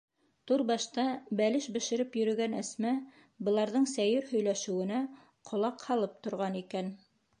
Түрбашта бәлеш бешереп йөрөгән Әсмә быларҙың сәйер һөйләшеүенә ҡолаҡ һалып торған икән.